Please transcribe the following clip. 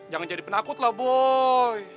jangan jadi penakut lah boy